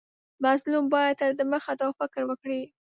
مظلوم باید تر دمخه دا فکر وکړي.